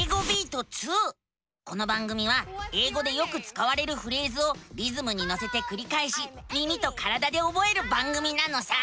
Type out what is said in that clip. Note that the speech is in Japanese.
この番組は英語でよくつかわれるフレーズをリズムにのせてくりかえし耳と体でおぼえる番組なのさ！